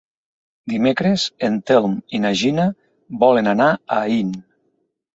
Dimecres en Telm i na Gina volen anar a Aín.